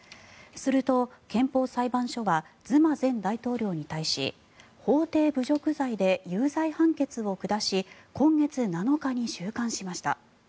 すると、憲法裁判所はズマ前大統領に対し法廷侮辱罪で有罪判決を下し今月７日に収監しました。